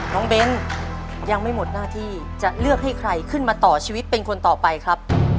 เบ้นยังไม่หมดหน้าที่จะเลือกให้ใครขึ้นมาต่อชีวิตเป็นคนต่อไปครับ